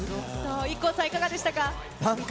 ＩＫＫＯさん、いかがでしたなんか